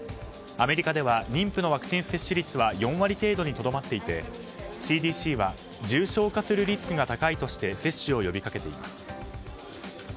アメリカでは妊婦のワクチン接種率は４割程度にとどまっていてＣＤＣは重症化するリスクが高いとして接種を呼びかけています。